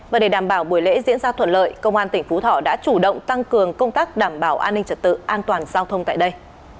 và để đảm bảo buổi lễ diễn ra thuận lợi công an tỉnh phú thọ đã chủ động tăng cường công tác đảm bảo an ninh trật tự an toàn giao thông tại đây